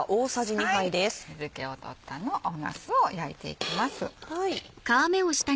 水気を取ったなすを焼いていきます。